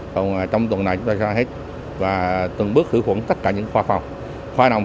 còn trong tuần này chúng tôi sẽ ra hết và từng bước khử khuẩn tất cả những khoa khoa